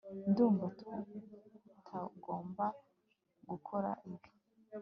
ndumva tutagomba gukora ibi